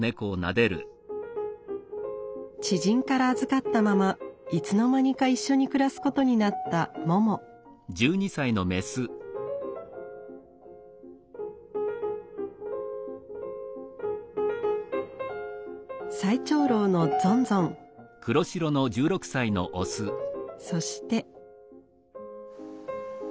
知人から預かったままいつの間にか一緒に暮らすことになった最長老のそして。